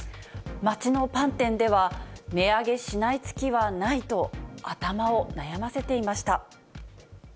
街のパン店では、値上げしない月はないと、頭を悩ませていました。